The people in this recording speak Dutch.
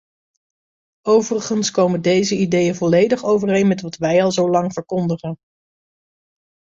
Overigens komen deze ideeën volledig overeen met wat wij al zo lang verkondigen.